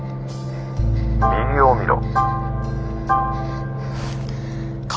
「右を見ろ」。